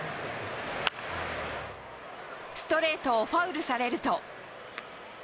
ストレートをファウルされると。